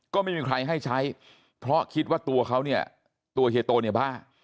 ก็ไม่มีใครให้ใช้เพราะคิดว่าตัวเขาเนี่ยตัวเฮียโตเนี่ยบ้า